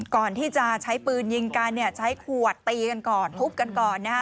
ก่อนที่จะใช้ปืนยิงกันเนี่ยใช้ขวดตีกันก่อนทุบกันก่อนนะฮะ